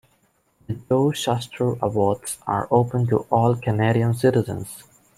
The Joe Shuster Awards are open to all Canadian citizens.